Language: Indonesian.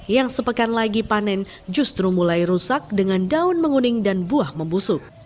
yang sepekan lagi panen justru mulai rusak dengan daun menguning dan buah membusuk